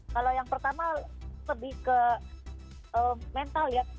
kalau yang pertama lebih ke mental ya